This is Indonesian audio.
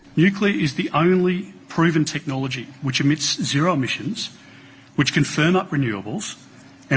pemerintah negara adalah teknologi yang terbukti yang menyebabkan emisi zero yang bisa menjelaskan penyelenggaraan